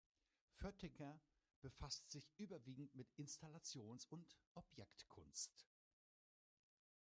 Föttinger befasst sich überwiegend mit Installations- und Objektkunst.